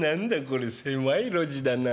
これ狭い路地だな。